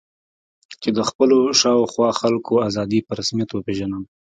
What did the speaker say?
چې د خپلو شا او خوا خلکو آزادي په رسمیت وپېژنم.